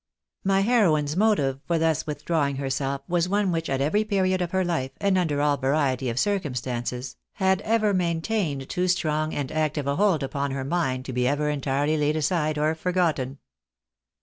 My heroine's motive for thus withdrawing herself was one which at every period of her life, and under all variety of circum stances, had ever maintained too strong and active a hold upon her mind to be ever entirely laid aside or forgotten.